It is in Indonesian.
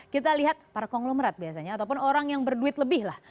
kita lihat para konglomerat biasanya ataupun orang yang berduit lebih lah